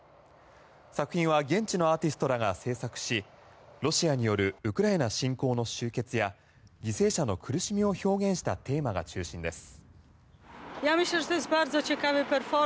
作品は現地のアーティストらが制作しロシアによるウクライナ侵攻の終結や犠牲者の苦しみを表現したテーマが中心です。